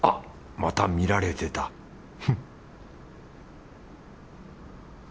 また見られてたフン